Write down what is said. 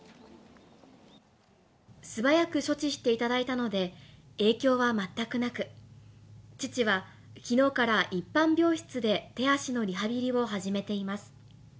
素早く処置していただいたので影響は全くなく、父はきのうから一般病室で手足のリハビリを始めています。